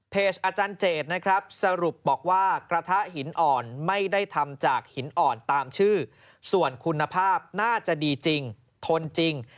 อาจารย์เจดนะครับสรุปบอกว่ากระทะหินอ่อนไม่ได้ทำจากหินอ่อนตามชื่อส่วนคุณภาพน่าจะดีจริงทนจริง